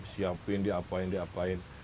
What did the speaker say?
siapin diapain diapain